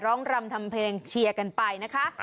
รำทำเพลงเชียร์กันไปนะคะ